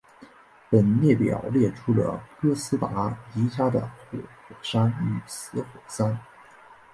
本列表列出了哥斯达黎加的活火山与死火山。